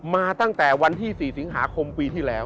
มาตั้งแต่วันที่๔สิงหาคมปีที่แล้ว